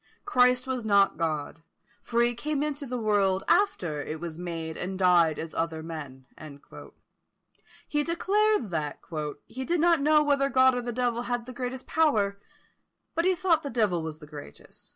Christ was not God; for he came into the world after it was made, and died as other men." He declared that "he did not know whether God or the devil had the greatest power; but he thought the devil was the greatest.